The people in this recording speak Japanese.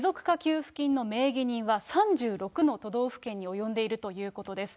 持続化給付金の名義人は３６の都道府県に及んでいるということです。